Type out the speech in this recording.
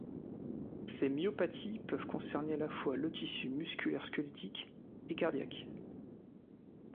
Ces myopathies peuvent concerner à la fois le tissu musculaire squelettique et cardiaque.